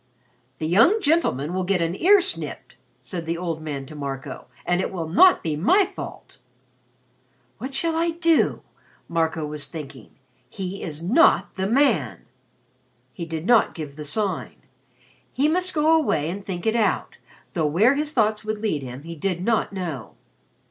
"The young gentleman will get an ear snipped," said the old man to Marco. "And it will not be my fault." "What shall I do?" Marco was thinking. "He is not the man." He did not give the Sign. He must go away and think it out, though where his thoughts would lead him he did not know.